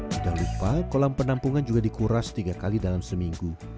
tidak lupa kolam penampungan juga dikuras tiga kali dalam seminggu